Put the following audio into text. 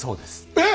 えっ⁉